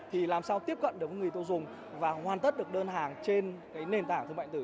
thì làm sao tiếp cận được người tiêu dùng và hoàn tất được đơn hàng trên nền tảng thương mại điện tử